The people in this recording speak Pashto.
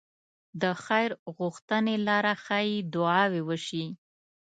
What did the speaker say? د خير غوښتنې لاره ښې دعاوې وشي.